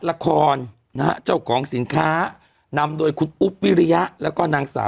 ละครนะฮะเจ้าของสินค้านำโดยคุณอุ๊บวิริยะแล้วก็นางสาว